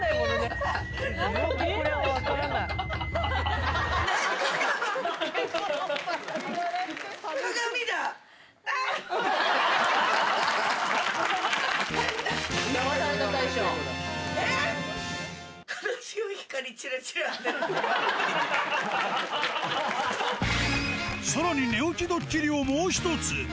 ただ強い光、さらに寝起きドッキリをもう一つ。